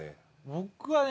僕はね